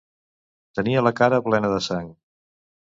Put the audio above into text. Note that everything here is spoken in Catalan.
Tenia la cara plena de sang.